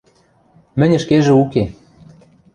– Мӹнь ӹшкежӹ уке.